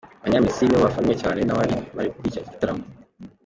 Abanyamisiri nibo bafanwe cyane n’abari bari gukurikirana iki gitaramo.